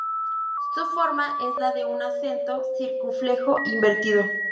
Su forma es la de un acento circunflejo invertido.